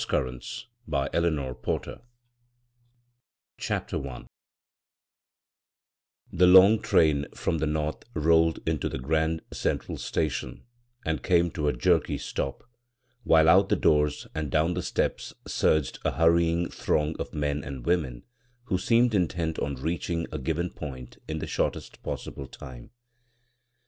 bvGoog[c b, Google Cross Currents CHAPTER I THE loDg train from the North rolled into the Grand Central Station and came to a jerky stop, while out the doors and down the steps surged a hurrying throng of men and women who seemed in tent on reaching a given point in the shortest possible time.